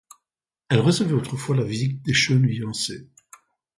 Elle recevait autrefois la visite des jeunes fiancés.